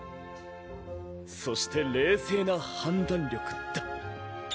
そして冷静な判断力だ。